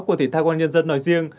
của thể thao công an nhân dân nói riêng